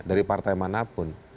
dari partai manapun